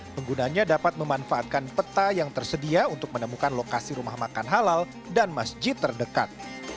penggunanya dapat memanfaatkan peta yang tersedia untuk menemukan lokasi rumah makan halal dan masjid terdekat